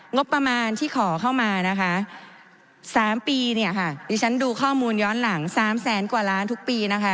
งบประมาณที่ขอเข้ามานะคะ๓ปีเนี่ยค่ะดิฉันดูข้อมูลย้อนหลัง๓แสนกว่าล้านทุกปีนะคะ